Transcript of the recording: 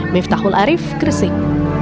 miftahul arif kresik